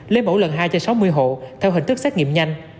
lấy mẫu lần hai cho sáu mươi hộ theo hình thức xét nghiệm nhanh